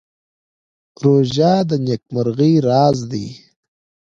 روژه د نېکمرغۍ راز دی.